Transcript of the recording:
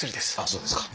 そうですか。